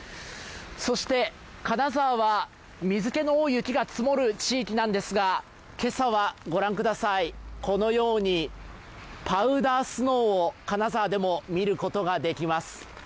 そして、金沢は水気の多い雪が積もる地域なんですが、今朝はご覧ください、このようにパウダースノーを金沢でも見ることができます。